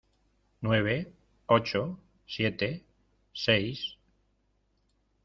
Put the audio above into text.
Nueve, ocho , siete , seis...